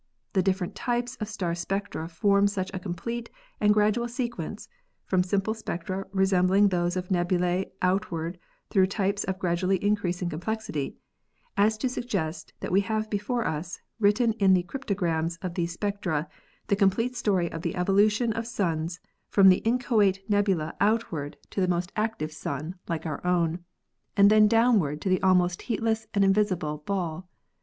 The different types of star spectra form such a complete and gradual sequence (from simple spectra resembling those of nebulse onward through types of gradually increasing complexity) as to suggest that we have before us, written in the cryptograms of these spectra, the complete story of the evolution of suns from the inchoate nebula onward to NEBULiE AND STAR CLUSTERS 299 the most active sun (like our own) and then downward to the almost heatless and invisible ball.